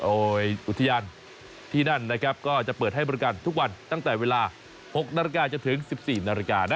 โดยอุทยานที่นั่นนะครับก็จะเปิดให้บริการทุกวันตั้งแต่เวลา๖นาฬิกาจนถึง๑๔นาฬิกานะ